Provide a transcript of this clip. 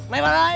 mày vào đây